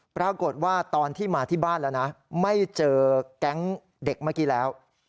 ตอนที่มาที่บ้านแล้วนะไม่เจอแก๊งเด็กเมื่อกี้แล้ว